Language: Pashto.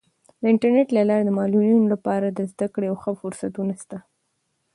د انټرنیټ له لارې د معلولینو لپاره د زده کړې او ښه فرصتونه سته.